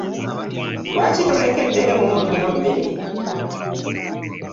Lwaki tolekedeemu muno mmere?